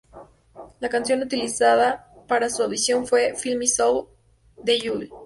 La canción utilizada para su audición fue "Feel My Soul" de Yui.